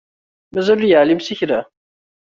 Mazal ur yeεlim s kra.